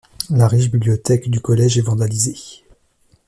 La riche bibliothèque du collège est vandalisée.